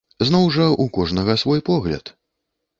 Зноў жа, у кожнага свой погляд.